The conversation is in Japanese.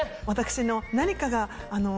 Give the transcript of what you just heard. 私の何かが。